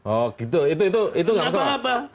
oh gitu itu nggak masalah